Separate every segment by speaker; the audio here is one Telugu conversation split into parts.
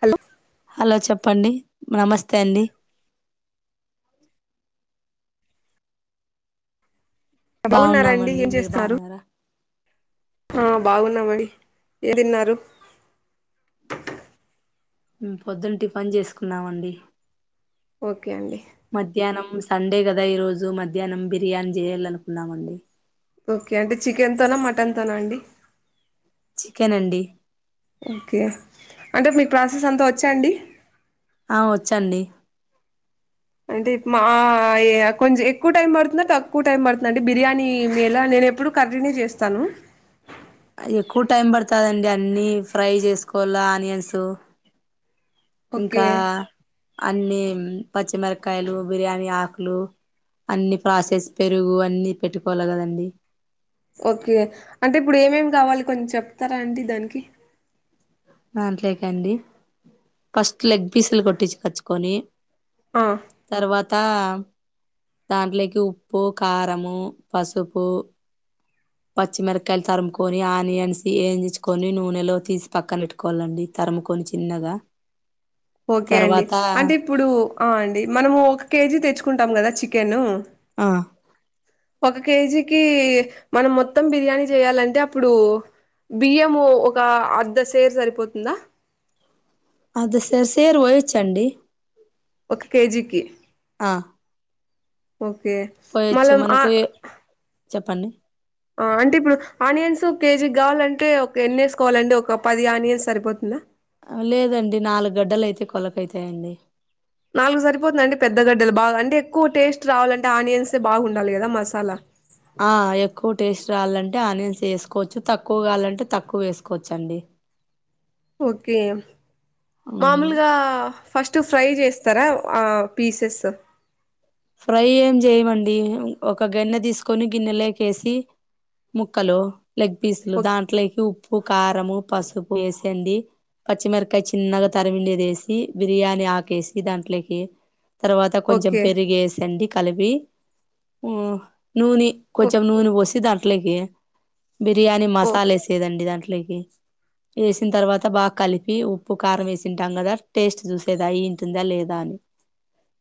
Speaker 1: హలో
Speaker 2: హలో చెప్పండి నమస్తే అండి
Speaker 1: బాగున్నారండి
Speaker 2: బాగున్నామండి
Speaker 1: ఏం
Speaker 2: మీరు
Speaker 1: చేస్తున్నారు
Speaker 2: బాగున్నారా
Speaker 1: ఆ బాగున్నామండి ఏం తిన్నారు
Speaker 2: పొద్దున టిఫిన్ చేసుకున్నామండి
Speaker 1: ఓకే అండి
Speaker 2: మధ్యాహ్నం సండే కదా ఈ రోజు మధ్యాహ్నం బిర్యానీ చేయాలనుకున్నామండి
Speaker 1: ఓకే అంటే చికెన్ తోనా మటన్ తోనా అండి
Speaker 2: చికెన్ అండి
Speaker 1: ఓకే అంటే మీ ప్రాసెస్ అంతా వచ్చా అండి
Speaker 2: ఆ వచ్చండి
Speaker 1: అంటే మా కొంచెం ఎక్కువ టైం పడుతుందా తక్కువ టైం పడుతుందా అండి బిర్యానీ ఎలా నేను ఎప్పుడు కంటిన్యూ చేస్తాను
Speaker 2: ఎక్కువ టైం పడుతాదండి అన్ని ఫ్రై చేసుకోవల్ల ఆనియన్స్ ఇంకా
Speaker 1: ఓకే
Speaker 2: అన్ని పచ్చిమిరక్కాయలు బిర్యానీ ఆకులు అన్ని ప్రాసెస్ పెరుగు అన్ని పెట్టుకోల్ల కదండి
Speaker 1: ఓకే అంటే ఇప్పుడు ఏమేమి కావాలి కొంచెం చెప్తారా అండి దానికి
Speaker 2: దాంట్లేకండి ఫస్ట్ లెగ్ పీసులు కొట్టిచ్చుకొచ్చుకొండి
Speaker 1: ఆ
Speaker 2: తర్వాత దాంట్లోకి ఉప్పు కారము పసుపు పచ్చిమిరక్కాయలు తరుక్కోని ఆనియన్స్ వేయించుకొని నూనెలో తీసి పక్కన పెట్టు పెట్టుకోళ్ళండి తరుక్కోని చిన్నగా
Speaker 1: ఓకే అండి
Speaker 2: తర్వాత
Speaker 1: అంటే ఇప్పుడు ఆ అండి మనము ఒక కేజీ తెచ్చుకుంటాం కదా చికెన్
Speaker 2: ఆ
Speaker 1: ఒక కేజీకి మనం మొత్తం బిర్యానీ చేయాలంటే అప్పుడు బియ్యం ఒక అర్థ సేర్ సరిపోతుందా
Speaker 2: అర్ధ సేరు సేరు పోయచ్చండి
Speaker 1: ఒక కేజీకి
Speaker 2: ఆ
Speaker 1: ఓకే
Speaker 2: పోయచ్చు
Speaker 1: మళ్ళం ఆ
Speaker 2: మనకు ఎ చెప్పండి
Speaker 1: ఆ అంటే ఇప్పుడు ఆనియన్స్ కేజీ గావాలంటే ఒక ఎన్ని వేసుకోవాలండి ఒక పది ఆనియన్స్ సరిపోతుందా
Speaker 2: లేదండి నాలుగు గడ్డలయితే కొల్లక అయితాయండి
Speaker 1: నాలుగు సరిపోతుందండి పెద్దగడ్డలు బాగ అంటే ఎక్కువ టేస్ట్ రావాలంటే ఆనియన్సే బాగుండాలి కదా మసాలా
Speaker 2: ఆ ఎక్కువ టేస్ట్ రాల్లంటే ఆనియన్స్ ఏసుకోవచ్చు తక్కువ కావాలంటే తక్కువ ఏసుకోవచ్చండి
Speaker 1: ఓకే
Speaker 2: ఉమ్,
Speaker 1: మామూలుగా ఫస్ట్ ఫ్రై చేస్తారా ఆ పీసెస్
Speaker 2: ఫ్రై ఏం జేయమండి ఒక గన్నె తీసుకొని గిన్నెలేకేసి ముక్కలు లెగ్ పీసులు
Speaker 1: ఓకే
Speaker 2: దాంట్లేకి ఉప్పు కారము పసుపు వేసేండి పచ్చిమిరకాయ చిన్నగా తరిమిండేది వేసి బిర్యానీ ఆకేసి దాంట్లేకి తర్వాత కొంచెం
Speaker 1: ఓకే
Speaker 2: పెరిగేసండి కలిపి ఉ నూనె
Speaker 1: ఓ
Speaker 2: కొంచెం నూనె పోసి దాంట్లోకి బిర్యానీ
Speaker 1: ఓ
Speaker 2: మసాలా వేసి లేదండి దాంట్లేకి ఏసిన్ తర్వాత బాగ కలిపి ఉప్పు కారం వేసింటాం గదా టేస్ట్ చూసేది అయ్యింటుందా లేదా అని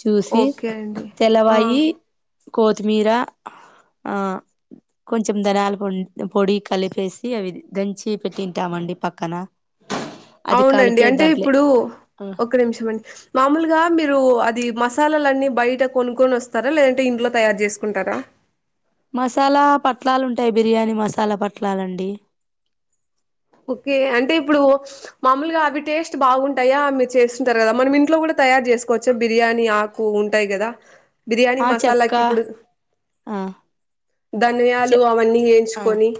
Speaker 2: చూసి
Speaker 1: ఓకే అండి ఆ
Speaker 2: తెల్లవాయి కోతీమీర ఆ కొంచెం ధనాల పొ పొడి కలిపేసి అవి దంచి పెట్టింటామండి పక్కన అది
Speaker 1: అవునండి
Speaker 2: కలిపే
Speaker 1: అంటే
Speaker 2: దాంట్లే
Speaker 1: ఇప్పుడు ఒక్క నిమిషం అం మామూలుగా మీరు అది మసాలాలన్నీ బయట కొనుక్కొని వస్తారా లేదంటే ఇంట్లో తయారు చేసుకుంటారా
Speaker 2: మసాలా పట్లాలు ఉంటాయి బిర్యానీ మసాలా పట్లాలండి
Speaker 1: ఓకే అంటే ఇప్పుడు మామూలుగా అవి టేస్ట్ బాగుంటాయా మీరు చేస్తుంటారు గదా మనం ఇంట్లో కూడా తయారు చేసుకోవచ్చు బిర్యానీ ఆ కు ఉంటాయి కదా బిర్యానీ
Speaker 2: ఆ చెక్క
Speaker 1: మసాలాకి ఇప్పుడు
Speaker 2: ఆ చె
Speaker 1: ధన్యాలు అవన్నీ ఏంచుకొని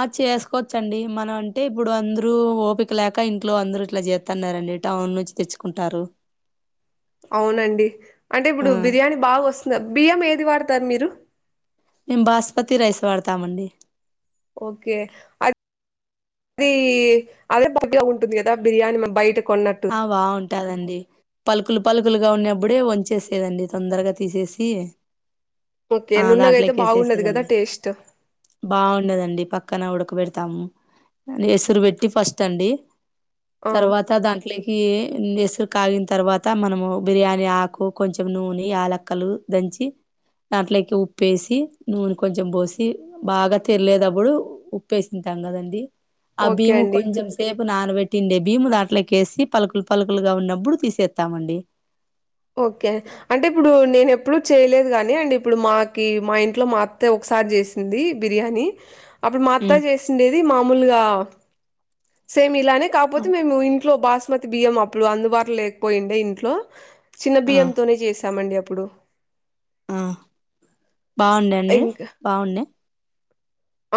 Speaker 2: అది చేసుకోవచ్చండి మనం అంటే ఇప్పుడు అందరు ఓపిక లేక ఇంట్లో అందరు ఇట్లా జేత్తన్నారండి టౌన్ నుంచి తెచ్చుకుంటారు
Speaker 1: అవునండి అంటే
Speaker 2: ఆ
Speaker 1: ఇప్పుడు బిర్యానీ బాగా వస్తుందా బియ్యం ఏది వాడతారు మీరు
Speaker 2: మేం బాస్పతి రైస్ వాడతామండి
Speaker 1: ఓకే అ అది అదే బాగా ఉంటుంది కదా బిర్యానీ మ బయట కొన్న
Speaker 2: ఆ బాగుంటాదండి పలుకులు పలుకులుగా ఉన్నబ్బుడే వంచేసేదండి తొందరగా తీసేసి
Speaker 1: ఓకే
Speaker 2: ఆ
Speaker 1: అండ్ నున్నగయితే
Speaker 2: దాంట్లోకి
Speaker 1: బాగుండదు కదా
Speaker 2: వేసేసేదండి
Speaker 1: టేస్ట్
Speaker 2: బాగుండదండి పక్కన ఉడకబెడతాము ఎసురు పెట్టి ఫస్ట్ అండి
Speaker 1: ఆ
Speaker 2: తర్వాత దాంట్లో ఇట్లకి ఎసురు కాగిన తర్వాత మనము బిర్యానీ ఆకు కొంచెం నూని యాలక్కలు దంచి దాంట్లేకి ఉప్పేసి నూనె కొంచెం బోసి బాగ తెరలేదబ్బుడు ఉప్పేసింటాం కదండి ఆ
Speaker 1: ఓకే
Speaker 2: భీము
Speaker 1: అండి
Speaker 2: కొంచెం సేపు నానబెట్టిండే భీము దాంట్లేకి కేసి పలుకులు పలుకులుగా ఉన్నప్పుడు తీసేత్తామండి
Speaker 1: ఓకే అంటే ఇప్పుడు నేను ఎప్పుడు చేయలేదు కానీ అండ్ ఇప్పుడు మాకి మా ఇంట్లో మా అత్తే ఒకసారి చేస్ ది బిర్యానీ అప్పుడు మా అత్త
Speaker 2: ఉమ్
Speaker 1: చేసిండేది మామూలుగా సేమ్ ఇలానే కాపోతే మేము ఇంట్లో బాస్మతి బియ్యం అప్పుడు అందుబాటు లేకపోయిండే ఇంట్లో చిన్న
Speaker 2: ఆ
Speaker 1: బియ్యంతోనే చేశామండి అప్పుడు
Speaker 2: మ్మ్ బాగుంది అండి
Speaker 1: ఇంకా
Speaker 2: బాగుంది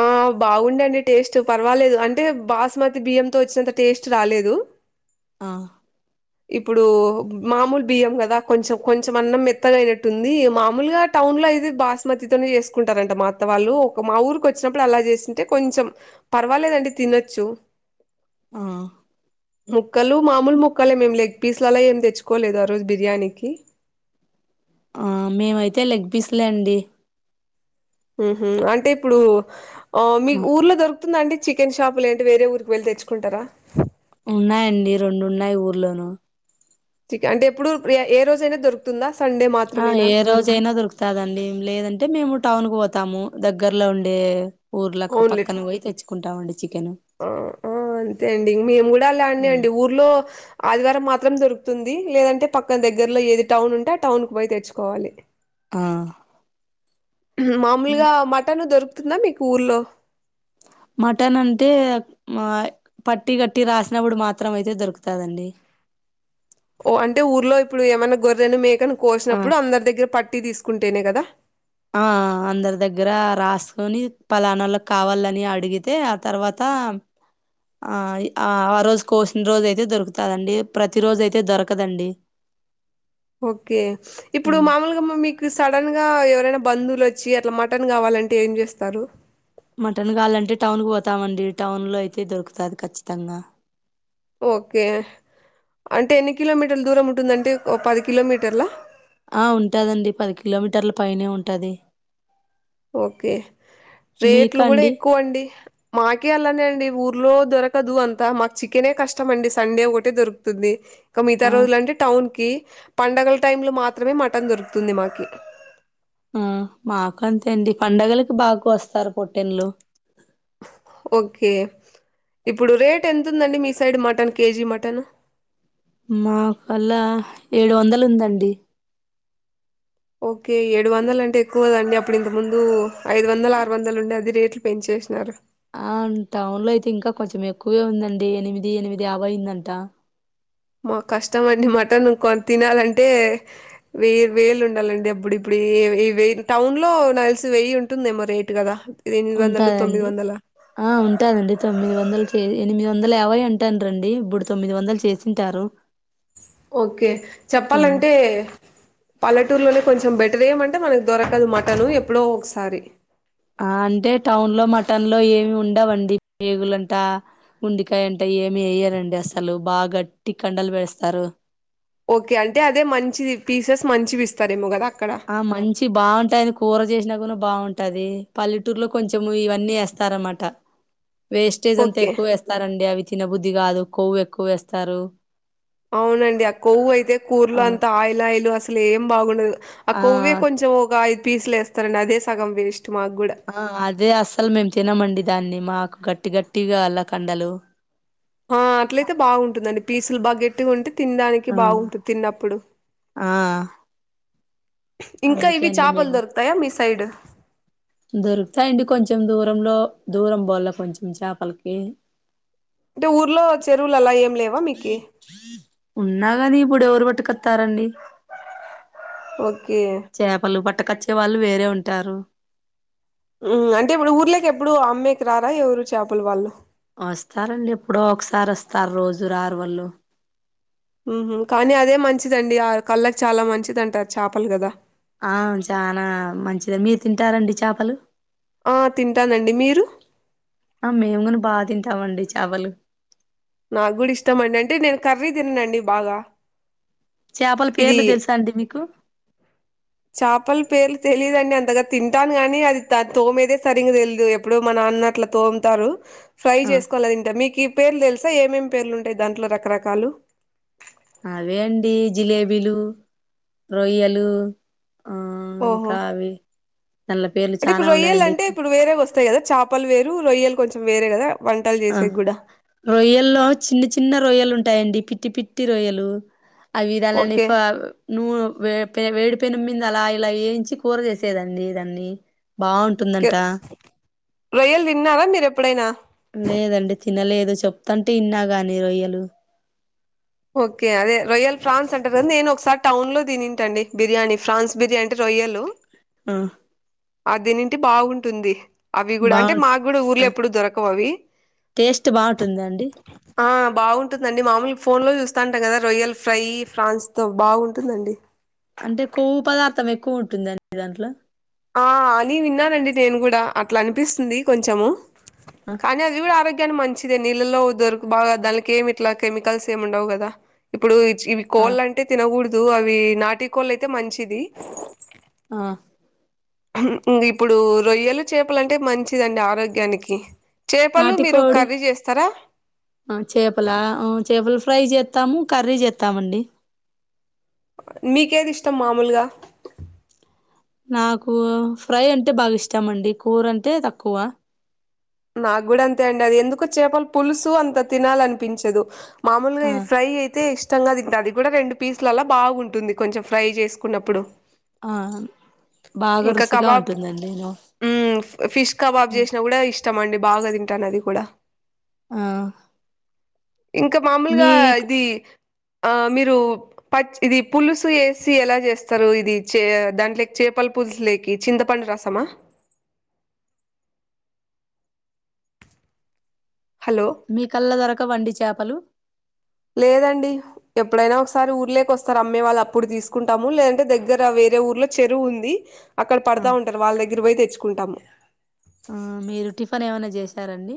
Speaker 1: ఆ బాగుండండి టేస్ట్ పర్వాలేదు అంటే బాస్మతి బియ్యంతో వచ్చినంత టేస్ట్ రాలేదు
Speaker 2: ఆ
Speaker 1: ఇప్పుడు మామూలు బియ్యం కదా కొంచెం కొంచెం అన్నం మెత్తగాయినట్టు ఉంది మామూలుగ టౌన్ లో అయితే బాస్మతితోనే చేసుకుంటారంట మాత్త వాళ్ళు ఒక మా ఊరికి వచ్చినప్పుడు అలా చేస్తుంటే కొంచం పర్వాలేదండి తినోచ్చు
Speaker 2: ఆ
Speaker 1: ముక్కలు మామూలు ముక్కలే మేము లెగ్ పీస్లలా ఏమి తెచ్చుకోలేదు ఆ రోజు బిర్యానీకి
Speaker 2: ఆ మేమైతే లెగ్పిస్లే అండి
Speaker 1: అంటే ఇప్పుడు ఆ మీకు ఊర్లో దొరకు [unintelligible] చికెన్ షాపులులేంటి వేరే ఊరికి వెళ్ళి తెచ్చుకుంటార
Speaker 2: ఉన్నాయండి రెండు ఉన్నాయి ఊర్లోను
Speaker 1: అంటే ఎప్పుడు ఏ రోజు అయినా ఉంద సండే మా
Speaker 2: ఆ ఏ రోజనై నా దొరు కదండి లేదంటే మేము టౌన్ కు పోతాము దగ్గర్లో ఉండే ఊర్లకు
Speaker 1: ఓన్లీ
Speaker 2: పక్కన పోయి తెచ్చుకుంటామండి చికెను
Speaker 1: ఆ అంతే అండి మేము కూడ అలానే అండి ఊర్లో ఆదివారం మాత్రం దొరుకుతుంది లేదంటే పక్కన దగ్గరలో ఏది టౌన్ ఉంటే ఆ టౌన్ కు పోయి తెచ్చుకోవాలి
Speaker 2: ఆ హ్మ్
Speaker 1: మామూలుగా మటన్ దొరుకుతుందా మీకు ఊర్లో
Speaker 2: మటన్ అంటే పట్టి కట్టి రాసినప్పుడు మాత్రం అయితే దొరుకుతదండి
Speaker 1: ఓ అంటే ఊర్లో ఇప్పుడు ఏమైన్నా గొర్రెను మేకను
Speaker 2: ఆ
Speaker 1: కోసినప్పుడు అందరి దగ్గర పట్టి తీసుకుంటేనే గదా
Speaker 2: ఆ అందరి దగ్గర రాసుకొని పలానాల్లోకి కావలని అడిగితే తర్వాత ఆ ఆ రోజు కోసిన రోజు అయితే దొరుకుతదండి ప్రతి రోజు అయితే దొరకదండి
Speaker 1: ఓకే ఇప్పుడు
Speaker 2: హ్మ్.
Speaker 1: మామూలుగ [unintelligible] సడన్గా [unintelligible] ఎవరైనా బంధువులు వచ్చి అట్లా మటన్ గావాలంటే ఏం చేస్తారు
Speaker 2: మటన్ కావాలంటే టౌన్ కు పోతామండి టౌన్ లో అయితే దొరుకుతది ఖచ్చితంగ
Speaker 1: ఓకే అంటే ఎన్ని కిలోమీటర్ల దూరం ఉంటుందంటె పది కిలోమీటర్లా
Speaker 2: ఆ ఉంటాదండి పది కిలోమీటర్ల పైనే ఉంటది
Speaker 1: ఓకే
Speaker 2: మీకు
Speaker 1: రేట్లు గూడ
Speaker 2: అండి
Speaker 1: ఎక్కువ అండి మాకే అల్లానే అండి ఊర్లో దొరకదు అంతా మాకు చికెనే కష్టం అండి సండే ఒకటే దొరుకుతుంది మిగతా
Speaker 2: ఆ
Speaker 1: రోజులు అంటే టౌన్ కి పంండగల టైమ్ లో మాత్రమే మటన్ దొరుకుతుంది మాకి
Speaker 2: ఆ మాకు అంతే అండి పండగలకి బాగా కొస్తారు పొట్టెన్లు
Speaker 1: ఓకే ఇప్పుడు రేట్ ఎంత ఉందండి మీ సైడ్ మటన్ కేజీ మటన్
Speaker 2: మా కల్లా ఏడు వందలు ఉందండి
Speaker 1: ఓకే ఏడు వందల అంటే ఎక్కువదండి అప్పుడు ఇంత ముందు ఐదు వందలు ఆరు వందలు ఉండే అది రేట్లు పెంచేసినారు
Speaker 2: ఆ టౌన్ లో అయితే ఇంకా కొంచెం ఎక్కువే ఉందండి ఎనిమిది ఎనిమిది యాభై ఉందంట
Speaker 1: [unintelligible] మటన్ కొన్ని తినాలంటే వే వేలు ఉండాలండి అప్పుడు ఇప్పుడు ఎ ఎ వెన్ టౌన్లో నా దెల్సి వెయ్యి ఉంటుందేమో రేటు గదా
Speaker 2: ఉంటాదండి. ఆ ఉంటాదండి తొమ్మిది వందలు చే ఎనిమిది వందలు యాభై అంటండ్రి అండి ఇబ్బుడు తొమ్మిది వందలు చేచింటారు
Speaker 1: ఓకే
Speaker 2: హ్మ్
Speaker 1: చెప్పాలంటే. పల్లెటూర్లోనే కొంచెం బెటర్ ఏమంటే మనక్ దొరకదు మటను ఎప్పుడో ఒక్సారి
Speaker 2: ఆ అంటే టౌన్లో మటన్లో ఏమి ఉండవండి పేగులంతా ఉండకాయ అంటే ఏమి వయ్యారండి అసలు బా గట్టి కండలు బెన్స్ స్తారు.
Speaker 1: ఓకే అంటే అదే మంచిది పీసెస్ మంచివి ఇస్తారేమో గదా అక్కడ
Speaker 2: ఆ మంచి బావూంటాయని కొర జేస్నా గూన బావూంటది పల్లెటూర్లో కొంచము ఇవన్నీ ఎస్తార్ అన్మాట
Speaker 1: [inaudible]
Speaker 2: వేస్టేజ్ అంతా
Speaker 1: ఓకే
Speaker 2: ఎక్వ ఎస్తారండి అవి తన్నబుద్ధి గాదు కొవ్వు ఎక్కువేస్తారు.
Speaker 1: అవునండి ఆ కొవ్వు ఐతే కూర్లో అంత ఆయిలాయిలు అసలు ఏం బాగుండదు ఆ కొవ్వే కొంచం ఒగ ఐదు పీసులు ఎస్తారండి అదే సగం వేస్టు మా గుడ
Speaker 2: ఆ అదే అస్సలు మేం తినమండి దాన్ని మాకు గట్టి గట్టిగా గల్ల కండలు
Speaker 1: ఆ అట్లతైబావూంటుందండి పీసులు బా గట్టిగుంటే తిన్దనికి
Speaker 2: ఆ
Speaker 1: బావూంటుంది తిన్నప్పుడు
Speaker 2: ఆ
Speaker 1: ఇంకా
Speaker 2: అందుకే
Speaker 1: ఇవి
Speaker 2: అండి
Speaker 1: చాపల్ దొరుక్తాయా మీ సైడు
Speaker 2: దొరుక్తాయండి కొంచం దూరంలో దూరం బొల్ల కొంచెం చాపల్కి
Speaker 1: అంటే ఊర్లో చెరువుల్ అలా ఏం లేవా మీకి
Speaker 2: ఉన్నాగానీ ఇప్పుడు ఎవరు బట్టుకొత్తరండి.
Speaker 1: ఓకే
Speaker 2: చ్యపలు పట్టకచ్చే వాళ్ళు వేరే ఉంటారు
Speaker 1: ఉమ్ అంటే ఇప్పుడు ఊర్లే కెప్పుడూ అమ్మేకి రారా ఎవ్రూ చాపల్ వాళ్ళు
Speaker 2: ఓస్తారండి ఎప్పుడో ఒక్సారి ఒస్తారు రోజు రారు వోళ్ళు
Speaker 1: ఉహు కానీ అదే మంచిదండి ఆ కళ్ళకి చాలా మంచిది అంటా చాపలు గదా
Speaker 2: ఆ వున్ చానా మంచిదే మీరు తింటారండి చాపలు
Speaker 1: ఆ తింటానండి మీరు
Speaker 2: ఆ మెం గున బా తింటామండి చాపలు
Speaker 1: నాగ్ గూడా ఇష్టమండి అంటే నేను కర్రీ దిన్ నిండి బాగా
Speaker 2: చాపల
Speaker 1: ఇది
Speaker 2: పేర్లు దెల్సా అండి మీకు
Speaker 1: చాపల పేర్లు తెలిదండి అంతగా తింటాను గాని అది త తోమేదె సరింగ్గా తెల్దు ఇప్పుడు మా నాన్న అట్ల తోమ్తారు. ఫ్రై
Speaker 2: ఆ
Speaker 1: జేస్కోవాల్దింటరు మీకు ఈ పేర్లు దెల్సా ఏమేం పేర్లు ఉంటై దాంట్లో రకరకాలు
Speaker 2: అవే అండి జిలేబీలు రొయ్యలు ఆ
Speaker 1: ఓహో
Speaker 2: ఇంకా అవి దాన్ల పేర్లు
Speaker 1: అంటే
Speaker 2: చానా
Speaker 1: ఇప్పుడు రొయ్యలు
Speaker 2: ఉన్నాయండి
Speaker 1: అంటే ఇప్పుడు వేరే ఒస్త త గద చాపలు వేరు రొయ్యలు కొంచెం వేరే గదా వంటలు
Speaker 2: ఆ
Speaker 1: జేసేకి గూడా
Speaker 2: రొయ్యల్లో చిన్న చిన్న రొయ్యలు ఉంటాయండి పిత్తి పిత్తి రొయ్యలు అవిధాలనే
Speaker 1: ఓకే
Speaker 2: ఫొ ను ను వే వేడి పెనుమిందా అలా ఇలా ఏంచి కొర జేసేదంన్నీ దాన్ని బావు
Speaker 1: రొయ్యల్ దిన్నారా మీరు ఎప్పుడైనా
Speaker 2: లేదండి తినలేదు చెప్తంటే ఇన్నా గానీ రొయ్యలు
Speaker 1: ఓకే అదే రొయల్ ఫ్రాన్స్ అంటారు గద నేను ఒక్సారి టౌన్లో తినింటండి బిర్యానీ ఫ్రాన్స్ బిర్యానీ అంటే రొయ్యల్
Speaker 2: ఆ
Speaker 1: అ దీనింటి బాగుంటుంది. అవి గుడా అంటే
Speaker 2: బాగుం
Speaker 1: మాగుడా ఊర్లే
Speaker 2: ఆ
Speaker 1: ఎప్పుడు దొరకవ్ అవి
Speaker 2: టేస్ట్ బాగుంటుందా అండి
Speaker 1: ఆ బాగుంటుందండి మామూలుగా ఫోన్ లో చూస్తాంటాం కదా రొయల్ ఫ్రై ఫ్రాన్స్ తో బాగుంటుందండి
Speaker 2: అంటే కొవ్వు పదార్థం ఎక్కువ ఉంటుందా అండి దాంట్లో
Speaker 1: ఆ అని విన్నానండి నేను గూడా అట్లా అనిపిస్తుంది కొంచము
Speaker 2: ఆ
Speaker 1: కానీ అది గూడా ఆరోగ్య నికి మంచిదే నీళ్ళలో దొరకు బాగా దానికి ఏమి ఇట్లా కెమికల్స్ ఏమి ఉండవు కదా ఇప్పుడు ఇవి
Speaker 2: ఆ
Speaker 1: కోళ్ళు అంటే తినగూడదు అవి నాటి కోళ్ళు అయితే మంచిది
Speaker 2: ఆ
Speaker 1: ఇప్పుడు రొయ్యలు చేపలంటే మంచిదండి ఆరోగ్యానికి చేపలు మీరు
Speaker 2: నాటికోడి
Speaker 1: కర్రీ చేస్తారా
Speaker 2: ఆ చేపల ఉ చేపల ఫ్రై చేత్తాము కర్రీ చేత్తామండి
Speaker 1: నీకేది ఇష్టం మాములుగా
Speaker 2: నాకు ఫ్రై అంటే బాగా ఇష్టం అండి కూర అంటే తక్కువ
Speaker 1: నాకు కూడా అంతే అండి అది ఎందుకో చేపల పులుసు అంత తినాలనిపించదు మామూలుగా
Speaker 2: ఆ
Speaker 1: ఇది ఫ్రై అయితే ఇష్ట ఇష్టంగా తింట అది గూడా రెండు పీసులలో బాగుంటుంది కొంచెం ఫ్రై చేసుకున్నప్పుడు
Speaker 2: ఆ బాగా
Speaker 1: ఇంకా
Speaker 2: రుచిగా
Speaker 1: కబాబ్
Speaker 2: ఉంటుందండి నిను
Speaker 1: మ్మ్ ఫిష్ కబాబ్ చేసినా కూడా ఇష్టం అండి బాగా తింటాను అది కూడా
Speaker 2: ఆ
Speaker 1: ఇంకా మామూలుగా
Speaker 2: మీ
Speaker 1: ఇది ఆ మీరు పచ్చ ఇది పులుసు యేసి ఎలా చేస్తారు ఇది చే దాంట్లోకి చే చేపల పులుసు లేకి చింతపండు రసమా హలో
Speaker 2: మీ కల్లా దొరకవండి చేపలు
Speaker 1: లేదండి ఎప్పుడైనా ఒకసారి ఊర్లేకి వస్తారు అమ్మే వాళ్ళు అప్పుడు తీసుకుంటాము లేదంటే దగ్గర వేరే ఊర్లో చెరువు ఉంది అక్కడ
Speaker 2: ఆ
Speaker 1: పడతా ఉంటారు వాళ్ళ దగ్గర పోయి తెచ్చుకుంటాము
Speaker 2: ఆ మీరు టిఫన్ ఏమన్నా చేసారండి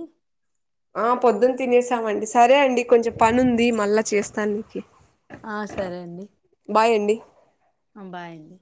Speaker 1: ఆ పొద్దున్న తినేసామండి సరే అండి కొంచెం పని ఉంది మళ్ళా చేస్తా నీకి
Speaker 2: ఆ సరే అండి
Speaker 1: బాయ్ అండి
Speaker 2: ఆ బాయ్ అండి